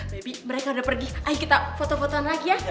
baby mereka udah pergi ayo kita foto foto lagi ya